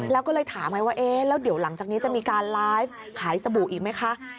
แล้วก็เลยถามไงว่าเอ๊ะแล้วเดี๋ยวหลังจากนี้จะมีการไลฟ์ขายสบู่อีกไหมคะ